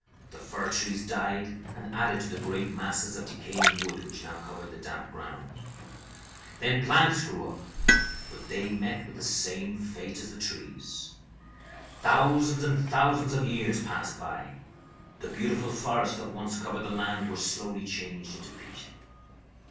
The fir trees died, and added to the great masses of decaying wood which now covered the damp ground. "Then plants grew up. But they met with the same fate as the trees. "Thousands and thousands of years passed by. The beautiful forests that once covered the land were slowly changed into peat."